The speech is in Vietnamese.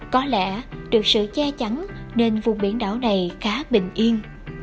có lẽ được sự che chắn nên vùng biển đảo này khá bình yên